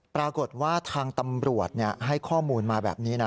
ปรากฏว่าทางตำรวจให้ข้อมูลมาแบบนี้นะ